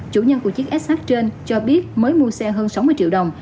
chủ nhân của chiếc sh trên cho biết mới mua xe hơn sáu mươi triệu đồng